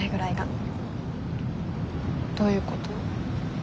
どういうこと？